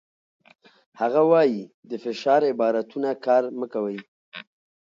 هغه وايي، د فشار عبارتونه کار مه کوئ.